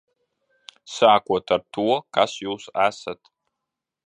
Sākot ar to, kas jūs esat.